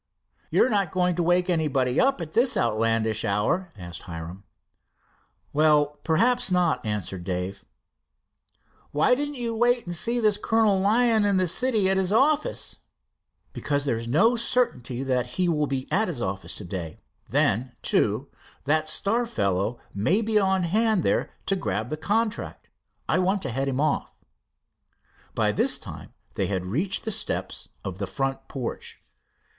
"You're not going to wake anybody up at this outlandish hour?" asked Hiram. "Well, perhaps not," answered Dave. "Why didn't you wait and see this Col. Lyon in the city at his office?" "Because there is no certainty that he will be at his office today. Then, too, that Star fellow may be on hand there to grab the contract. I want to head him off." By this time they had reached the steps of the front porch.